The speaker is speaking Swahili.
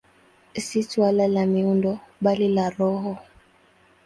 Si suala la miundo, bali la roho.